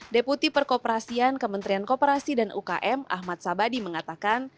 deputi perkoperasian kementerian kooperasi dan ukm ahmad sabadi mengatakan